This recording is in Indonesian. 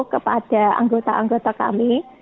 kepada anggota anggota kami